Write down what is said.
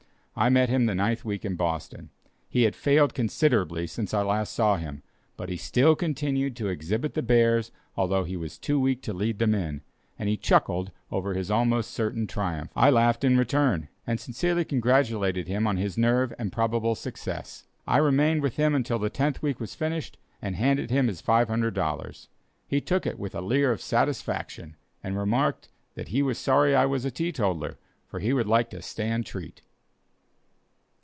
I met him the ninth week in Boston. He had failed considerably since I last saw him, but he still continued to exhibit the bears although he was too weak to lead them in, and he chuckled over his almost certain triumph. I laughed in return, and sincerely congratulated him on his nerve and probable success. I remained with him until the tenth week was finished, and handed him his $500. He took it with a leer of satisfaction, and remarked, that he was sorry I was a teetotaler, for he would like to stand treat!